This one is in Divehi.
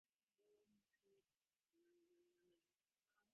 ކުރުމާއި ކައުންސިލުން އަންގާ އެންގުންތަކާއި އެއްގޮތަށް